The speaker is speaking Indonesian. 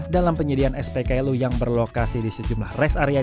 dalam penyediaan spklu yang berlokasi di sejumlah res area